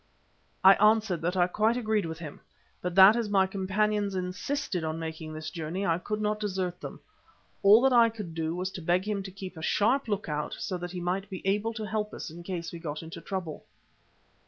I answered that I quite agreed with him, but that as my companions insisted upon making this journey, I could not desert them. All that I could do was to beg him to keep a sharp look out so that he might be able to help us in case we got into trouble.